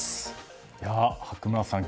白村さん